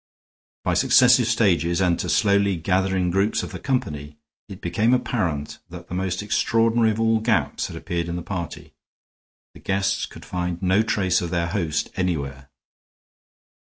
By successive stages, and to slowly gathering groups of the company, it became apparent that the most extraordinary of all gaps had appeared in the party; the guests could find no trace of their host anywhere.